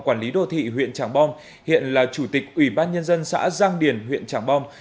quản lý đô thị huyện tràng bom hiện là chủ tịch ủy ban nhân dân xã giang điền huyện tràng bom